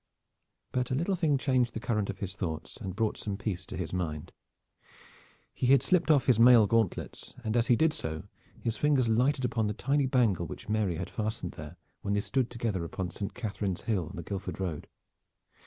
But a little thing changed the current of his thoughts and brought some peace to his mind. He had slipped off his mail gauntlets, and as he did so his fingers lighted upon the tiny bangle which Mary had fastened there when they stood together upon St. Catharine's Hill on the Guildford Road.